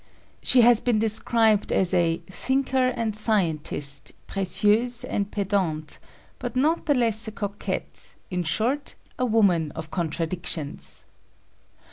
She has been described as a "thinker and scientist, précieuse and pedant, but not the less a coquette in short, a woman of contradictions."